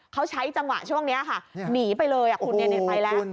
เขาใช้จังหวะช่วงนี้ค่ะหนีไปเลยคุณไปแล้ว